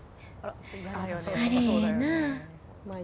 あれ、ええなあ。